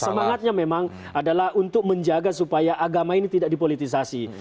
semangatnya memang adalah untuk menjaga supaya agama ini tidak dipolitisasi